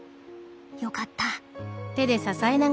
よかった。